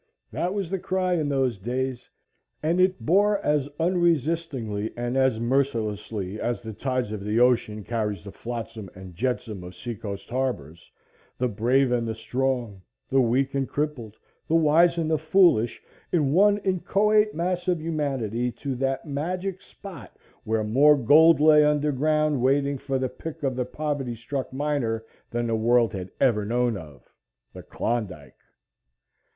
That was the cry in those days and it bore, as unresistingly and as mercilessly as the tide of the ocean carries the flotsam and jetsam of seacoast harbors, the brave and the strong, the weak and crippled, the wise and the foolish, in one inchoate mass of humanity to that magic spot where more gold lay underground waiting for the pick of the poverty struck miner than the world had ever known of "The Klondike."